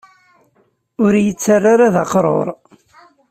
Ur yi-ttarra ara d aqrur.